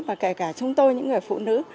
mà kể cả chúng tôi những người phụ nữ